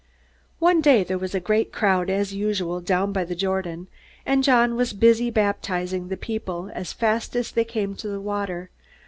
One day there was a great crowd, as usual, down by the Jordan, and John was busy baptizing the people as fast as they came to the water.